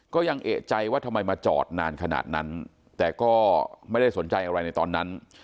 เอกใจว่าทำไมมาจอดนานขนาดนั้นแต่ก็ไม่ได้สนใจอะไรในตอนนั้น